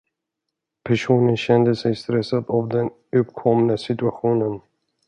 Personen kände sig stressad av den uppkomna situationen.